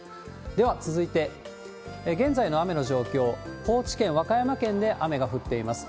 では、続いて現在の雨の状況、高知県、和歌山県で雨が降っています。